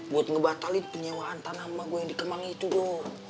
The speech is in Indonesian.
buat ngebatalin penyewaan tanama gue yang dikemangi itu do